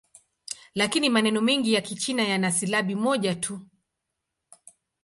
Lakini maneno mengi ya Kichina yana silabi moja tu.